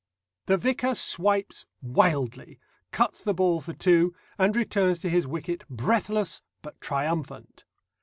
The vicar swipes wildly, cuts the ball for two, and returns to his wicket breathless but triumphant.